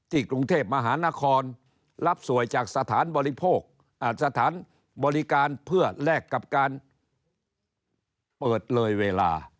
กรุงเทพมหานครรับสวยจากสถานบริโภคสถานบริการเพื่อแลกกับการเปิดเลยเวลา